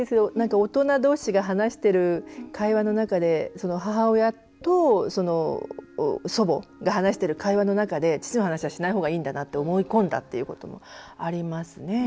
大人同士が話している会話の中で母親と祖母が話している会話の中で父の話はしないほうがいいんだなって思い込んだところもありますね。